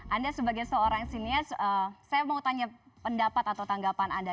anda sebagai seorang sinias saya mau tanya pendapat atau tanggapan anda